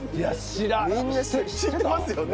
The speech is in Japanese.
知ってますよね。